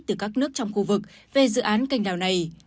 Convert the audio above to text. từ các nước trong khu vực về dự án cành đảo này